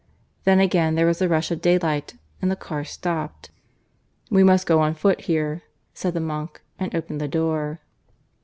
Then again there was a rush of daylight and the car stopped. "We must go on foot here," said the monk, and opened the door.